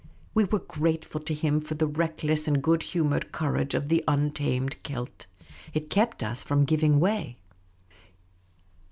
We were grateful to him for the reckless and good humoured courage of the untamed Celt. It kept us from giving way.